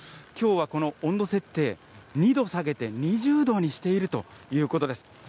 きょうはこの温度設定、２度下げて２０度にしているということです。